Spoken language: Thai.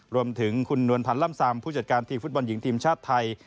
รวมถึงคุณนวลพันธ์ล่ำซามผู้จัดการทีมฟุตบอลหญิงทีมชาติไทย